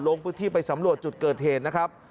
ลงพื้นที่ไปสำรวจจุดเกิดเหตุนะครับ